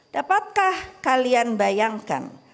dapatkah kalian bayangkan